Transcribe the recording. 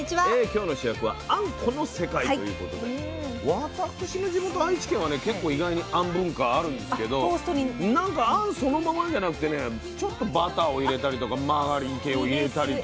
今日の主役は「あんこの世界」ということで私の地元愛知県はね結構意外にあん文化あるんですけどなんかあんそのままじゃなくてねちょっとバターを入れたりとかマーガリン系を入れたりとか。